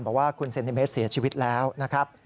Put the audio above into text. บอกว่าคุณเซนติเมตรเสียชีวิตแล้วนะครับ